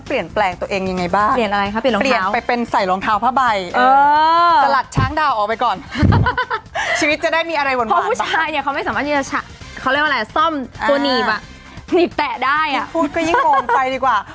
แล้วก็เออน่ารักดีผูกก็ดี